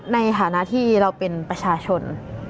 ในฐานะที่เราเป็นประชาชน